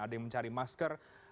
ada yang mencari masker